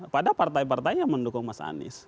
pada partai partai yang mendukung mas anies